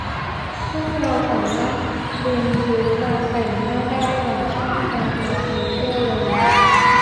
ซึ่งเราสามารถเรียนรู้การแต่งหน้าได้หลายช่องทางตามโซเชียลเลย